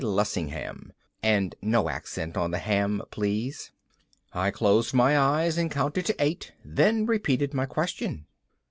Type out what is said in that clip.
Lessingham. (And no accent on the ham, please.) I closed my eyes and counted to eight, then repeated my question.